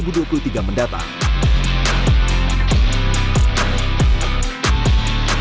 pembangunan pembangunan pembangunan